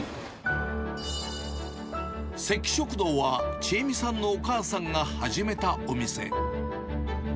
せき食堂は智恵美さんのお母さんが始めたお店。